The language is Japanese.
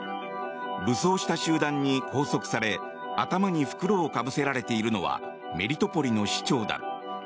武装した集団に拘束され頭に袋をかぶせられているのはメリトポリの市長だ。